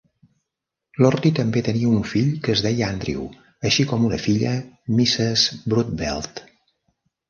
Lortie també tenia un fill que es deia Andrew, així com una filla, Mrs. Brodbelt.